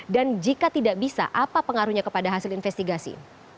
dan jika tidak bisa apa pengaruhnya kepada hasil investigasi